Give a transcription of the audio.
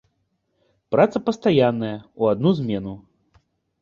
Праца пастаянная, у адну змену.